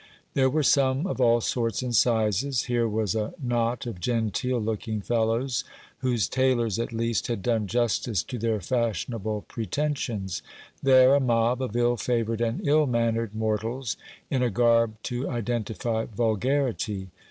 There were some of all sorts and sizes. Here was a knot of genteel looking fellows, whose tailors at least had done justice to their fashionable pretensions ; there a mob of ill favoured and ill mannered mor tals, in a garb to identify vulgarity.